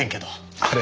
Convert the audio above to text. あれ？